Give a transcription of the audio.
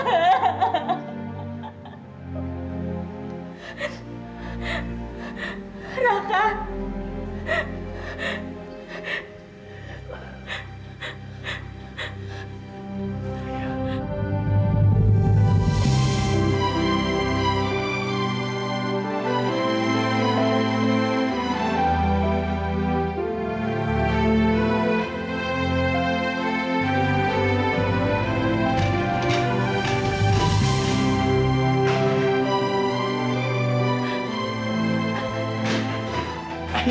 ayah kamu apa apa